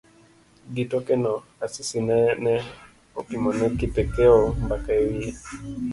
Gi tekone, Asisi nene opimone Kipokeo mbaka e wiye.